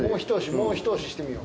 もうひと押ししてみよう。